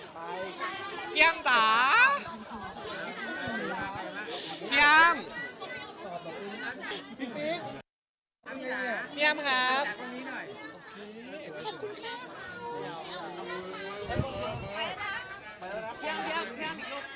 ไปแล้วนะ